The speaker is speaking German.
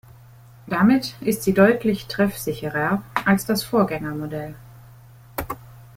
Damit ist sie deutlich treffsicherer als das Vorgängermodell.